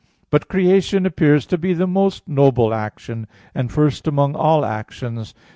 But creation appears to be the most noble action, and first among all actions.